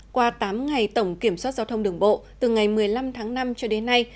qua tám ngày tổng kiểm soát giao thông đường bộ từ ngày một mươi năm tháng năm cho đến nay